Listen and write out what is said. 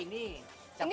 ini buat gulai